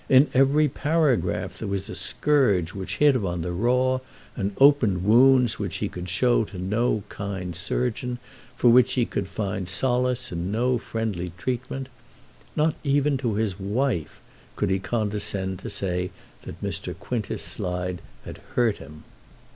In every paragraph there was a scourge which hit him on the raw and opened wounds which he could show to no kind surgeon, for which he could find solace in no friendly treatment. Not even to his wife could he condescend to say that Mr. Quintus Slide had hurt him.